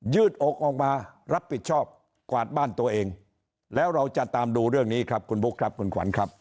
ืดอกออกมารับผิดชอบกวาดบ้านตัวเองแล้วเราจะตามดูเรื่องนี้ครับคุณบุ๊คครับคุณขวัญครับ